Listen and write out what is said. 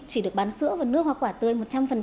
chỉ được bán sữa và nước hoa quả tươi một trăm linh